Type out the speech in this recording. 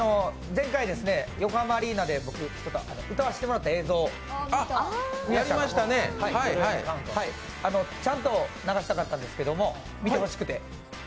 前回、横浜アリーナで僕、歌わせていただいた映像、ちゃんと流したかったんですけど、見てほしくて。